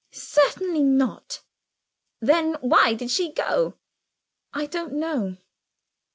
"Certainly not." "Then why did she go?" "I don't know."